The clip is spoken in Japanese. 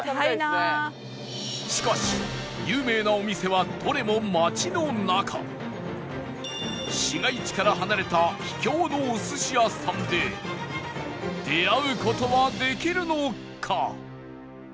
しかし有名な市街地から離れた秘境のお寿司屋さんで出会う事はできるのか？